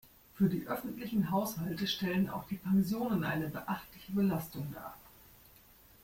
Für die öffentlichen Haushalte stellen auch die Pensionen eine beachtliche Belastung dar.